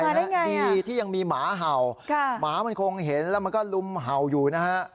ดีที่ยังมีหมาเห่าหมามันคงเห็นแล้วมันก็ลุมเห่าอยู่นะฮะ